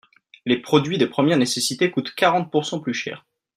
Les produits de première nécessité coûtent quarante pourcent plus cher.